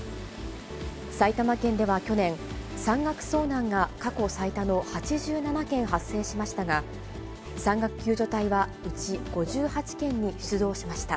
埼玉県では去年、山岳遭難が過去最多の８７件発生しましたが、山岳救助隊はうち５８件に出動しました。